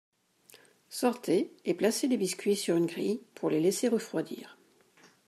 Sortez et placez les biscuits sur une grille pour les laisser refroidir.